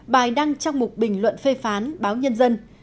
bài đăng trong một bình luận phê phán báo nhân dân